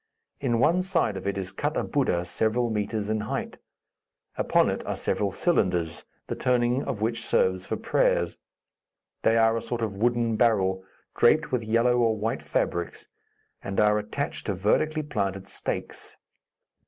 In one side of it is cut a Buddha several metres in height. Upon it are several cylinders, the turning of which serves for prayers. They are a sort of wooden barrel, draped with yellow or white fabrics, and are attached to vertically planted stakes.